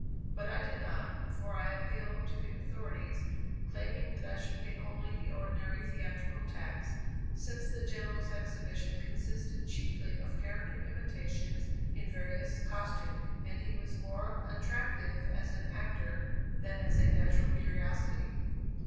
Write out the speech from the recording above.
But I did not; for I appealed to the authorities, claiming that I should pay only the ordinary theatrical tax, since the General's exhibition consisted chiefly of character imitations in various costumes, and he was more attractive as an actor than as a natural curiosity.